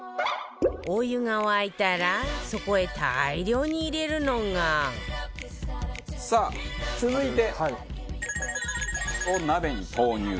お湯が沸いたらそこへ大量に入れるのがさあ続いて。